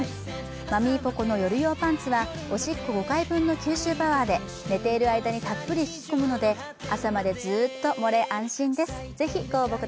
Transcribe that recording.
マミーポコの夜用パンツは、おしっこ５回分の吸収パワーで寝ている間にたっぷり引きこむので朝までずっとモレ安心です。